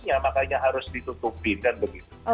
ya makanya harus ditutupin kan begitu